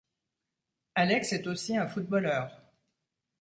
Alex est aussi un footballeur.